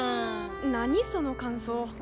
何その感想。